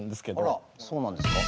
あらそうなんですか？